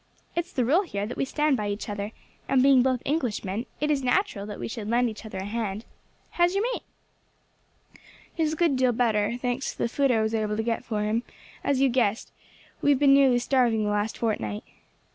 It's the rule here that we stand by each other, and being both Englishmen, it is natural we should lend each other a hand. How is your mate?" "He is a good deal better, thanks to the food I was able to get for him; for, as you guessed, we have been nearly starving the last fortnight."